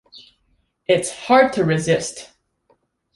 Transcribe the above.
It's hard to resist.